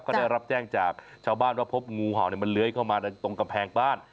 ก็ได้รับแจ้งจากชาวบ้านว่าพบงูเห่ามันเลื้อยเข้ามาตรงกำแพงบ้าน